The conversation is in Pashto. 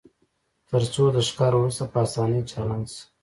ترڅو د ښکار وروسته په اسانۍ چالان شي